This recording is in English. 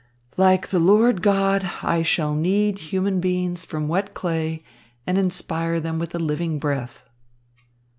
"Like the Lord God, I shall knead human beings from wet clay and inspire them with a living breath."